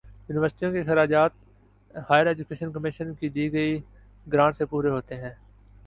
یونیورسٹیوں کے اخراجات ہائیر ایجوکیشن کمیشن کی دی گئی گرانٹ سے پورے ہوتے ہیں۔